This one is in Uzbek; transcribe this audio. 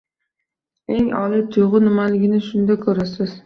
Eng oily tuyg’u nimaligini shunda ko’rasiz!